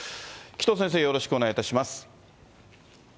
紀藤先生、よろしくお願いいたします。